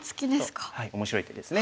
はい面白い手ですね。